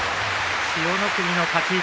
千代の国の勝ち。